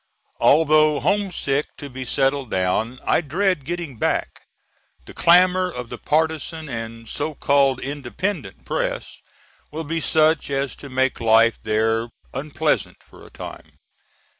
Although homesick to be settled down I dread getting back. The clamor of the partisan and so called independent press win be such as to make life there unpleasant for a time.